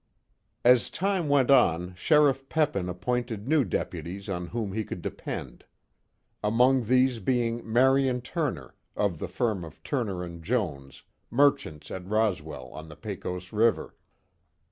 As time went on, Sheriff Peppin appointed new deputies on whom he could depend. Among these being Marion Turner, of the firm of Turner & Jones, merchants at Roswell, on the Pecos river.